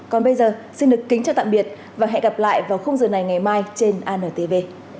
còn bây giờ xin được kính chào tạm biệt và hẹn gặp lại vào khung giờ này ngày mai trên antv